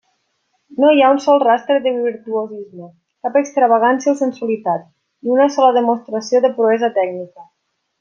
No hi ha un sol rastre de virtuosisme, cap extravagància o sensualitat, ni una sola demostració de proesa tècnica.